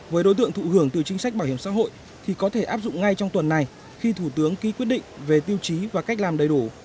với đối tượng thụ hưởng từ chính sách bảo hiểm xã hội thì có thể áp dụng ngay trong tuần này khi thủ tướng ký quyết định về tiêu chí và cách làm đầy đủ